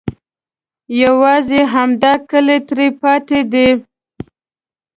یوازې همدا کلی ترې پاتې دی.